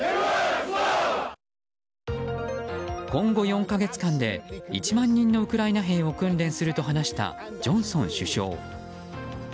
今後４か月間で１万人のウクライナ兵を訓練すると話したジョンソン首相。